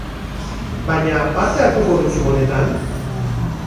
Baina, parte hartuko duzu honetan?